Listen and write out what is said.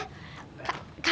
sebentar aku anterin bapak ya